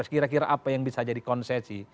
kira kira apa yang bisa jadi konsesi